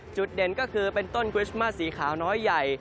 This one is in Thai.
เด่นก็คือเป็นต้นคริสต์มาสสีขาวน้อยใหญ่